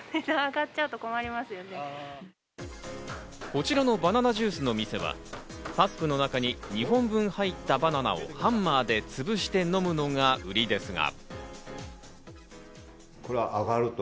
こちらのバナナジュースの店は、パックの中に２本分入ったバナナをハンマーで潰して飲むのが売りですが。